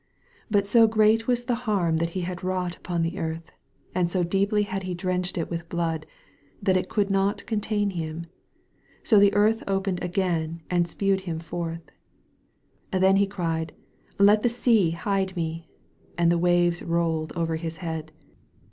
But so great was the harm that he had wrought upon the Earth, and so deeply had he drenched it with blood, that it could not contain him. So the Earth opened again, and spewed him forth. Then he cried, ''Let the Sea hide me !" And the waves rolled over his head.